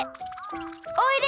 おいで！